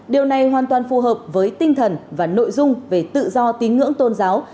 điều này hoàn toàn phù hợp với tinh thần và nội dung về tự do tín ngưỡng tôn giáo